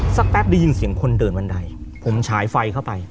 แป๊บได้ยินเสียงคนเดินบันไดผมฉายไฟเข้าไป